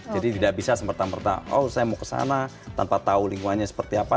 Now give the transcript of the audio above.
jadi tidak bisa semertang mertang oh saya mau ke sana tanpa tahu lingkungannya seperti apa